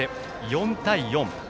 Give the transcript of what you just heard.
４対４。